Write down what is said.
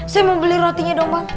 saya mau beli rotinya dong bang